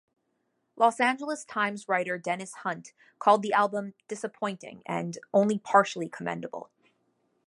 "Los Angeles Times" writer Dennis Hunt called the album "disappointing" and "only partially commendable".